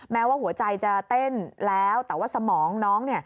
แม้ว่าหัวใจจะเต้นแล้วแต่ว่าสมองน้อง